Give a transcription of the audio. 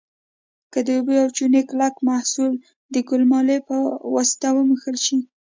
که د اوبو او چونې کلک محلول د ګلمالې په واسطه ومږل شي.